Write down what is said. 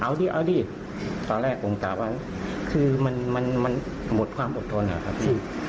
เอาดิเอาดิตอนแรกผมกลับว่าคือมันหมดความอดทนครับพี่